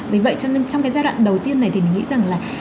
vì vậy cho nên trong cái giai đoạn đầu tiên này thì mình nghĩ rằng là